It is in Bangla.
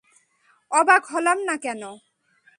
অবাক হলাম না কেন?